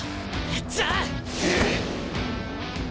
じゃあ！あ。